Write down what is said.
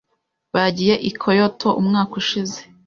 Bagiye i Kyoto umwaka ushize.